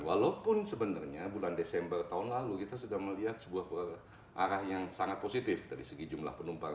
walaupun sebenarnya bulan desember tahun lalu kita sudah melihat sebuah arah yang sangat positif dari segi jumlah penumpang